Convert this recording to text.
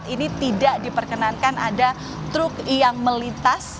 ini tidak diperkenankan ada truk yang melintas